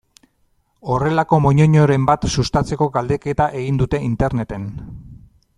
Horrelako moñoñoren bat sustatzeko galdeketa egin dute Interneten.